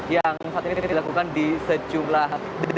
yang saat ini dilakukan di sejumlah